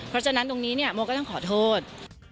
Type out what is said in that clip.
เพราะฉะนั้นตรงนี้เนี่ยโมก็ต้องขอโทษ